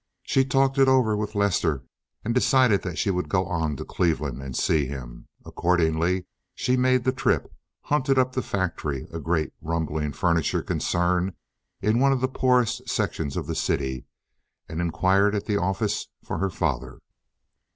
She talked it over with Lester, and decided that she would go on to Cleveland and see him. Accordingly, she made the trip, hunted up the factory, a great rumbling furniture concern in one of the poorest sections of the city, and inquired at the office for her father.